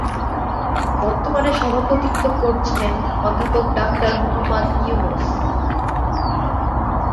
বর্তমানে সভাপতিত্ব করছেন অধ্যাপক ডাক্তার মুহাম্মদ ইউনূস।